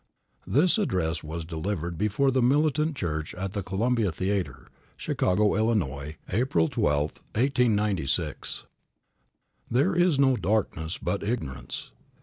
* This address was delivered before the Militant Church at the Columbia Theatre, Chicago, Ills., April 12, 1896. I. "THERE is no darkness but ignorance."